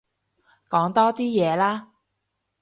講多啲嘢啦